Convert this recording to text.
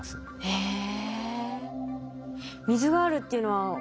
へえ。